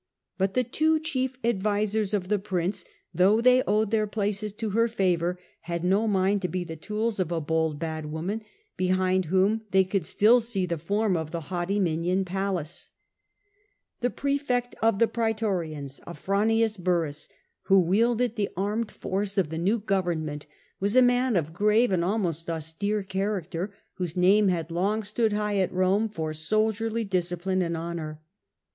But the two chief advisers of the prince, though they owed their places to her favour, had no mind to be the tools of a bold bad w'oman, behind whom they could still see the form of the haughty minion Pallas. A.D. 54 68. Nero, lOI The prsefect of the praetorians, Afranius Burrhus, who wielded the araied force of the new government, was a man of grave and almost austere character, but Burrhus, whose name had long stood high at Rome for soldierly discipline and honour.